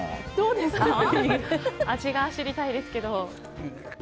味が知りたいですけど。